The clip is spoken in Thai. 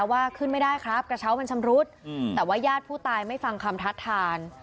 ว่าขึ้นไม่ได้ครับกระเช้ามันชำรุดแต่ว่าญาติผู้ตายไม่ฟังคำทัดทาน